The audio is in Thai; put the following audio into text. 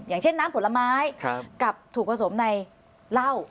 อย่างเช่นน้ำผลไม้กับถูกผสมในเหล้า